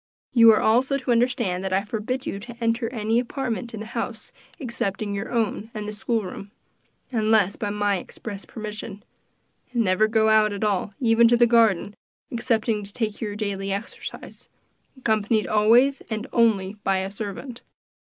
You are also to understand that I forbid you to enter any apartment in the house excepting your own and the school room unless by my express permission and never to go out at all, even to the garden, excepting to take your daily exercise, accompanied always and only by a servant.